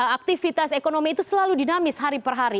aktivitas ekonomi itu selalu dinamis hari per hari